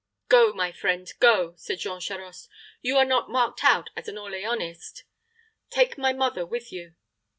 "Go, my friend, go," said Jean Charost; "you are not marked out as an Orleanist. Take my mother with you.